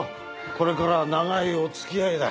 これからは長いお付き合いだ。